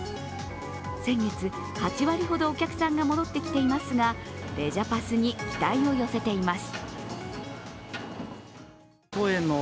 先月、８割ほどお客さんが戻ってきていますがレジャパス！に期待を寄せています